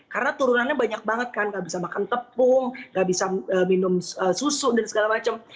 karena turunannya banyak banget kan nggak bisa makan tepung nggak bisa minum susu dan segala macam